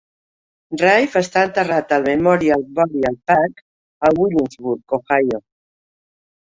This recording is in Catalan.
Riffe està enterrat al Memorial Burial Park a Wheelersburg, Ohio.